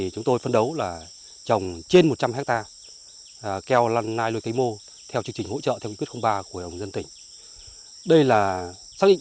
chúng tôi phân đấu trồng trên một trăm linh hectare keo lai nuôi cây mô theo chương trình hỗ trợ theo nghị quyết số ba của hội đồng nhân dân tỉnh